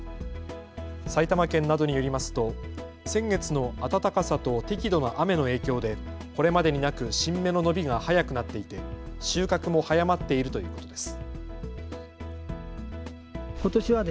埼玉県などによりますと先月の暖かさと適度な雨の影響でこれまでになく新芽の伸びが早くなっていて収穫も早まっているということです。